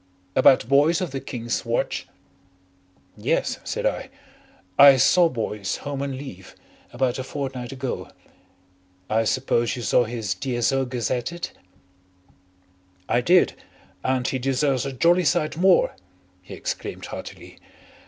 "About Boyce of the King's Watch?" "Yes," said I. "I saw Boyce, home on leave, about a fortnight ago. I suppose you saw his D.S.O. gazetted?" "I did. And he deserves a jolly sight more," he exclaimed heartily.